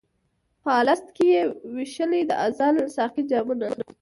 په الست کي یې وېشلي د ازل ساقي جامونه